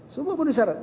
semua penuhi syarat